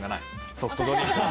ソフトドリンク。